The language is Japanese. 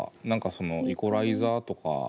何かそのイコライザーとか。